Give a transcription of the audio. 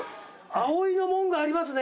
葵の紋がありますね